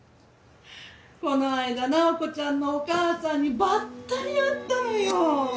この間直子ちゃんのお母さんにばったり会ったのよ。